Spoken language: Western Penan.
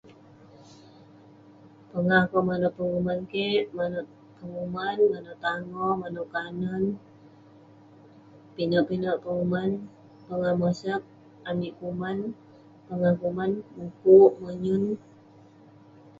Pongah akouk manouk penguman kik..manouk penguman, manouk tangoh, manouk kanen..pinek pinek penguman..pongah mosak, amik kuman. Pongah kuman, mukuk, monyun..